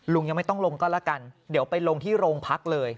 ยังไม่ต้องลงก็แล้วกันเดี๋ยวไปลงที่โรงพักเลย